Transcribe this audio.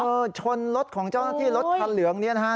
ชนรถของเจ้าหน้าที่รถคันเหลืองนี้นะฮะ